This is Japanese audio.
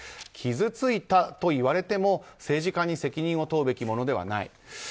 傷ついたといわれても政治家に責任を問うべきものではない。